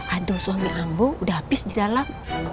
aduh suami ambung udah habis di dalam